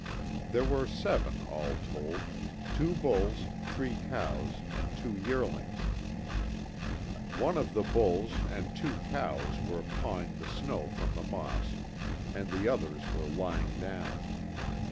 There were seven all told, two bulls, three cows, and two yearlings. One of the bulls and two cows were pawing the snow from the moss, and the others were lying down.